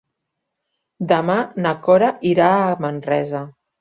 Demà na Cora irà a Manresa.